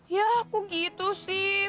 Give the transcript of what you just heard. ya aku gitu sih